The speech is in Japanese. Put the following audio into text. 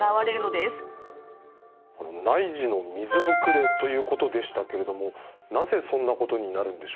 内耳の水ぶくれということでしたけれどもなぜそんなことになるんでしょうか？